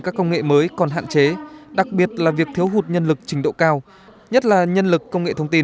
các công nghệ mới còn hạn chế đặc biệt là việc thiếu hụt nhân lực trình độ cao nhất là nhân lực công nghệ thông tin